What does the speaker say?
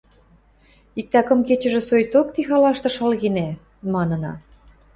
– Иктӓ кым кечӹжӹ соикток ти халашты шалгенӓ... – манына.